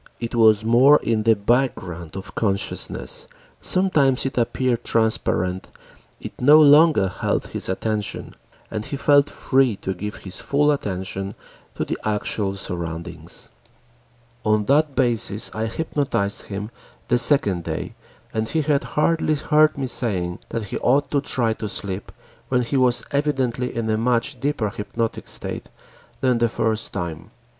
It was more in the background of consciousness, sometimes it appeared transparent, it no longer held his attention, and he felt free to give his full attention to the actual surroundings. On that basis I hypnotized him the second day and he had hardly heard me saying that he ought to try to sleep when he was evidently in a much deeper hypnotic state than the first time.